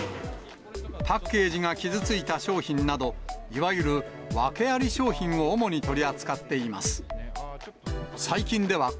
パッケージが傷ついた商品など、いわゆる訳あり商品を主に取り扱っています。